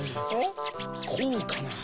こうかな？